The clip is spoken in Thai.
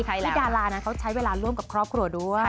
ที่ดารานั้นเขาใช้เวลาร่วมกับครอบครัวด้วย